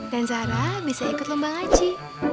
dan sarah bisa ikut lombang aci